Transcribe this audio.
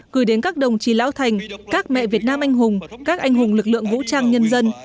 gửi đến các đồng chí lão thành các mẹ việt nam anh hùng các anh hùng lực lượng vũ trang nhân dân